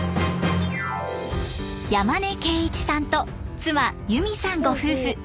山根圭一さんと妻ゆみさんご夫婦。